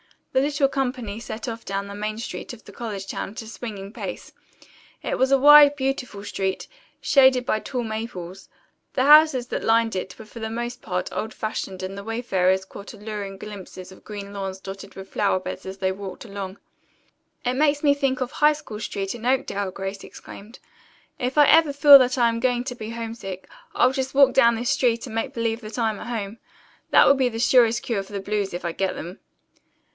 The little company set off down the main street of the college town at a swinging pace. It was a wide, beautiful street, shaded by tall maples. The houses that lined it were for the most part old fashioned and the wayfarers caught alluring glimpses of green lawns dotted with flower beds as they walked along. "It makes me think of High School Street in Oakdale!" Grace exclaimed. "If ever I feel that I'm going to be homesick, I'll just walk down this street and make believe that I'm at home! That will be the surest cure for the blues, if I get them."